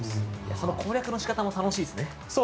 その攻略の仕方も楽しいですね。